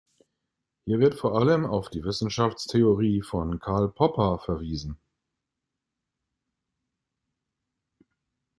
Hier wird vor allem auf die Wissenschaftstheorie von Karl Popper verwiesen.